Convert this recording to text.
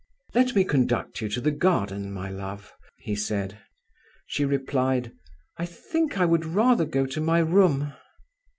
"Let me conduct you to the garden, my love," he said. She replied: "I think I would rather go to my room."